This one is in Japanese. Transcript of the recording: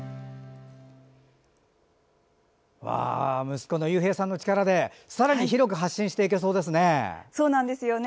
息子の悠平さんの力でさらに広く発信していけそうですね。